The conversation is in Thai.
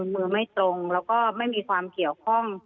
มือไม่ตรงแล้วก็ไม่มีความเกี่ยวข้อง